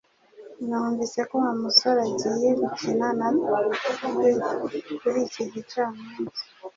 Numvise ko Wa musore agiye gukina natwe kuri iki gicamunsi